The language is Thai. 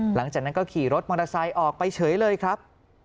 หลังจากนั้นก็ขี่รถมอเตอร์ไซค์ออกไปเฉยเลยครับ